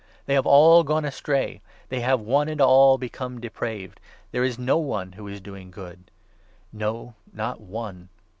1 1 They have all gone astray ; they have one and all become 12 depraved ; There is no one who is doing good — no, not one